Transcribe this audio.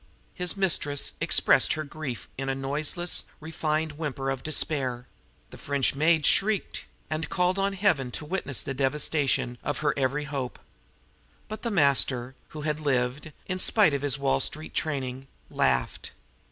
His mistress expressed her grief in a noiseless, refined whimper of despair; the French maid shrieked, and called on Heaven to witness the devastation of her every hope; but the master who had lived, in spite of his Wall Street training laughed.